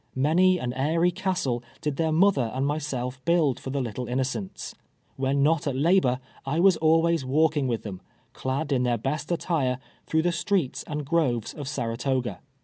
Many an airy castle did their mother and myself build for the little innocents. When not at labor I was always walking Avith them, clad in their best attire, through the streets and groves of Saratoga.